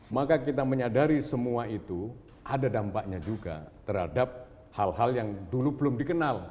maka kita menyadari semua itu ada dampaknya juga terhadap hal hal yang dulu belum dikenal